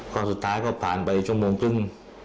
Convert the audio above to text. ก็สุดท้ายก็ผ่านไปชั่วโมงครึ่ง